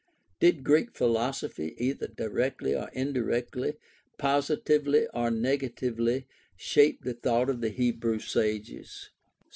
Did Greek philosophy either directly or indirectly, positively or negatively, shape the thought of the Hebrew sages